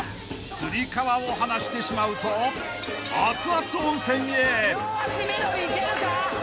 ［つり革を離してしまうと熱々温泉へ］